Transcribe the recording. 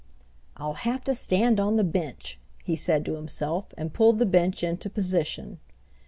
"I'll have to stand on the bench," he said to himself and pulled the bench into position.